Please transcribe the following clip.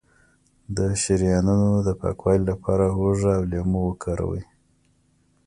د شریانونو د پاکوالي لپاره هوږه او لیمو وکاروئ